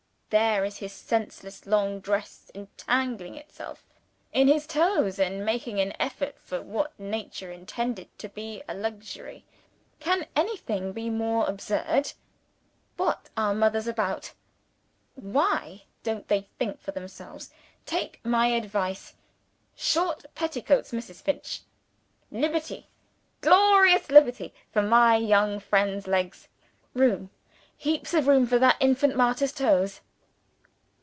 There is his senseless long dress entangling itself in his toes, and making an effort of what Nature intended to be a luxury. Can anything be more absurd? What are mothers about? Why don't they think for themselves? Take my advice short petticoats, Mrs. Finch. Liberty, glorious liberty, for my young friend's legs! Room, heaps of room, for that infant martyr's toes!"